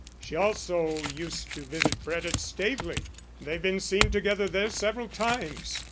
She also used to visit Brett at Staveley; they've been seen together there several times.